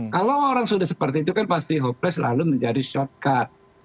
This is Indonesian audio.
kalau orang sudah seperti itu kan pasti hopeless lalu menjadi shortcut